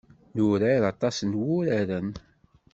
Nurar aṭas n wuraren.